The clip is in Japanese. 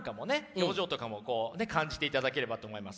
表情とかも感じていただければと思います。